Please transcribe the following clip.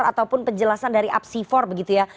ataupun penjelasan dari apsifor begitu ya